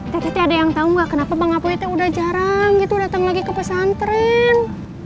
teteh teteh ada yang tau gak kenapa bang apoi udah jarang gitu dateng lagi ke pesantren